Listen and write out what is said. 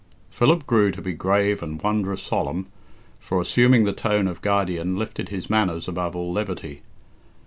Philip grew to be grave and wondrous solemn, for assuming the tone of guardian lifted his manners above all levity.